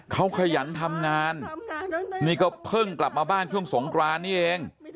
เขาขยันทำงานนี่ก็เพิ่งกลับมาบ้านช่วงสงครานนี่เอง